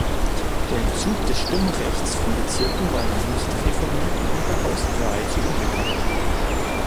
Der Entzug des Stimmrechts von Bezirken war im nicht-reformierten Unterhaus nahezu unbekannt.